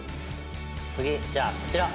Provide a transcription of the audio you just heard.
次じゃあこちら。